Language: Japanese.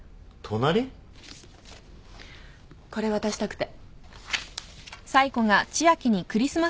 これ渡したくて。